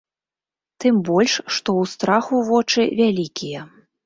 Тым больш, што ў страху вочы вялікія.